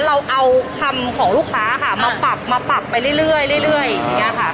เราเอาคำของลูกค้าค่ะมาปักมาปักไปเรื่อยอย่างนี้ค่ะ